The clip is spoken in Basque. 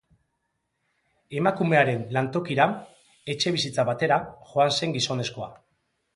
Emakumearen lantokira, etxebizitza batera, joan zen gizonezkoa.